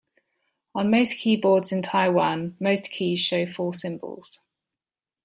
On most keyboards in Taiwan, most keys show four symbols.